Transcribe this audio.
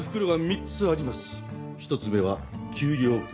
１つ目は給料袋。